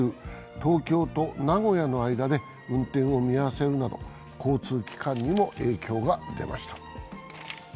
東京と名古屋の間で運転を見合わせるなど交通機関にも影響が出ました。